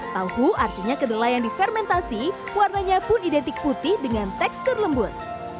tahu artinya kedelai yang difermentasi warnanya pun identik putih dengan tekstur lembut